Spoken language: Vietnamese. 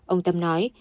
ông tâm nói